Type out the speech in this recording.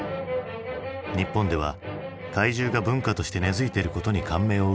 日本では怪獣が文化として根づいていることに感銘を受け